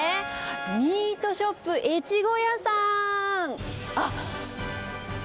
ミートショップエチゴヤさん。